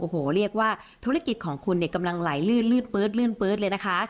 โอ้โหเรียกว่าธุรกิจของคุณเนี่ยกำลังไหลลื่นลืดปื๊ดลื่นปื๊ดเลยนะคะ